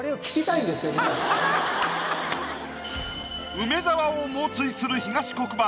梅沢を猛追する東国原。